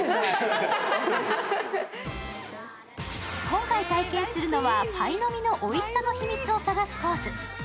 今回体験するのはパイの実のおいしさの秘密を探すコース。